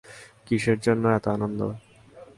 কিসের জন্য এত আনন্দ?